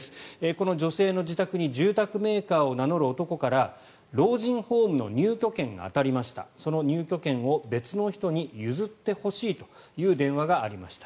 この女性の自宅に住宅メーカーを名乗る男から老人ホームの入居権が当たりましたその入居権を別の人に譲ってほしいという電話がありました。